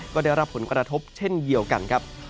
ก็ได้รับผลกระทบเช่นเดียวกันครับ